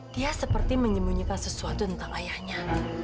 dia seperti menyembunyikan sesuatu tentang ayahnya